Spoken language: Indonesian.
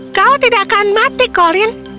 kau tidak akan mati colin